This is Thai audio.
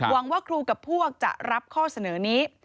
ว่าครูกับพวกจะรับข้อเสนอนี้